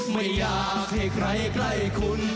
ไม่อยากให้ใครใกล้คุณ